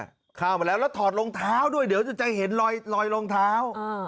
ออกมาแล้วแล้วถอดโรงเท้าด้วยเดี๋ยวจะเห็นเลยลอยโรงเท้า